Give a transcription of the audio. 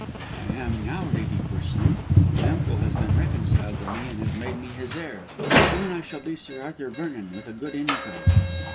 "I am now, Lady Corsoon. My uncle has been reconciled to me and has made me his heir. Soon I shall be Sir Arthur Vernon, with a good income."